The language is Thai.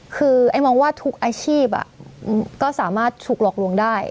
คือไอ้มองว่าทุกอาชีพก็สามารถถูกหลอกลวงได้